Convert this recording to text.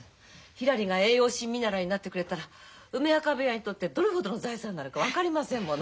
ひらりが栄養士見習いになってくれたら梅若部屋にとってどれほどの財産になるか分かりませんもの。